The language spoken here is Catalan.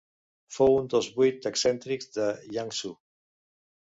Fou un dels Vuit excèntrics de Yangzhou.